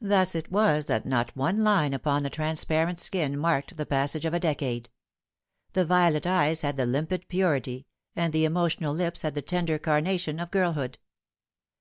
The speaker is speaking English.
Thus it was that not one line upon the transparent skin marked the passage of a decade. The violet eyes had the limpid purity, and the emotional lips had the tender carnation, of girlhood.